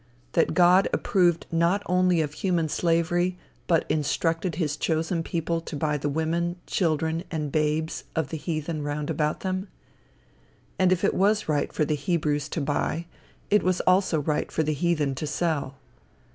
that God approved not only of human slavery, but instructed his chosen people to buy the women, children and babes of the heathen round about them? If it was right for the Hebrews to buy, it was also right for the heathen to sell.